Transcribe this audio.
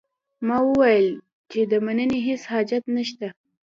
ما وویل چې د مننې هیڅ حاجت نه شته.